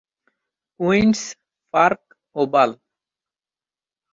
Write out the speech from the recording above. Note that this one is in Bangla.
queen's Park oval